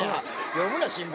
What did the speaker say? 読むな新聞。